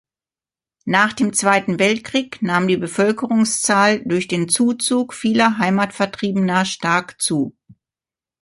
Nach dem Zweiten Weltkrieg nahm die Bevölkerungszahl durch den Zuzug vieler Heimatvertriebener stark zu.